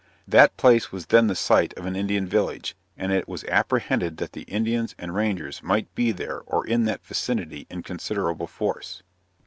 That place was then the site of an Indian village, and it was apprehended that the Indians and Rangers might be there or in that vicinity in considerable force.